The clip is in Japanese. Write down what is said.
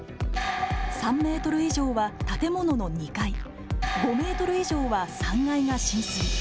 ３メートル以上は建物の２階、５メートル以上は３階が浸水。